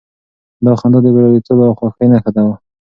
دا خندا د برياليتوب او خوښۍ نښه وه.